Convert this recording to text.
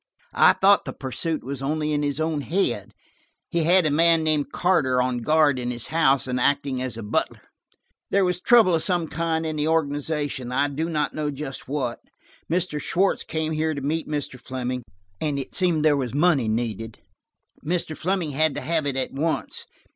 I thought the pursuit was only in his own head. He had a man named Carter on guard in his house, and acting as butler. "There was trouble of some sort in the organization; I do not know just what. Mr. Schwartz came here to meet Mr. Fleming, and it seemed there was money needed. Mr. Fleming had to have it at once.